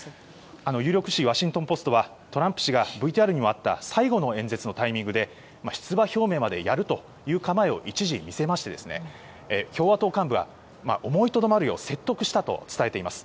有力紙ワシントン・ポストはトランプ氏がＶＴＲにもあった最後の演説のタイミングで出馬表明までやるという構えを一時見せまして、共和党幹部は思いとどまるよう説得したと伝えています。